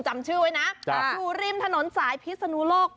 จำชื่อไว้นะอยู่ริมถนนสายพิศนุโลก